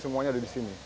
semuanya ada di sini